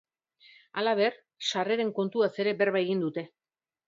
Halaber, sarreren kontuaz ere berba egin dute.